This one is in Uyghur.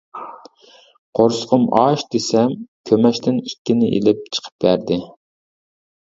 قورسىقىم ئاچ دېسەم كۆمەچتىن ئىككىنى ئېلىپ چىقىپ بەردى.